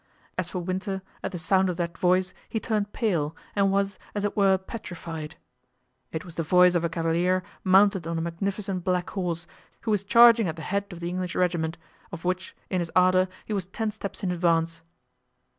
As for Winter, at the sound of that voice he turned pale, and was, as it were, petrified. It was the voice of a cavalier mounted on a magnificent black horse, who was charging at the head of the English regiment, of which, in his ardor, he was ten steps in advance.